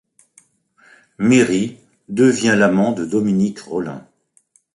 Méry, devient l'amant de Dominique Rolin.